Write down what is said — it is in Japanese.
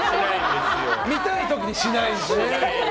見たい時にしない。